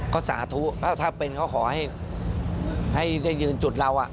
ก็สาธุถ้าเป็นเขาขอให้ได้ยืนจุดเรา